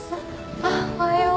あっおはよう。